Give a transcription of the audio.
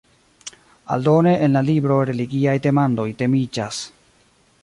Aldone en la libro religiaj demandoj temiĝas.